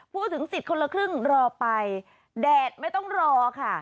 พูดถึงสิทธิ์คนละครึ่งรอไปแดดไม่ต้องรอค่ะ